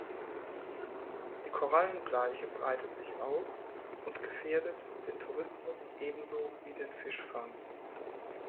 Die Korallenbleiche breitet sich aus und gefährdet den Tourismus ebenso wie den Fischfang.